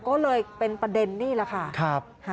ก็เลยเป็นประเด็นนี่แหละค่ะ